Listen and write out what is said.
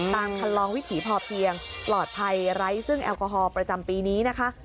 คันลองวิถีพอเพียงปลอดภัยไร้ซึ่งแอลกอฮอล์ประจำปีนี้นะคะ